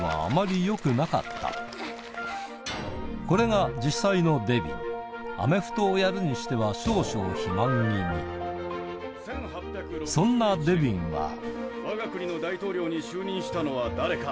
これが実際のデビンアメフトをやるにしては少々そんなデビンはわが国の大統領に就任したのは誰か。